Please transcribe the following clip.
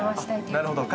なるほど。